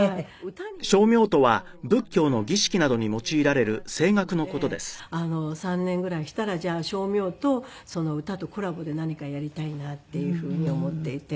歌にいい響きを与えてもらっているので３年ぐらいしたらじゃあ声明と歌とコラボで何かやりたいなっていうふうに思っていて。